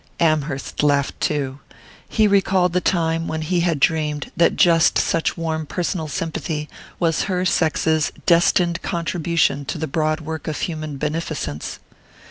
Amherst laughed too: he recalled the time when he had dreamed that just such warm personal sympathy was her sex's destined contribution to the broad work of human beneficence.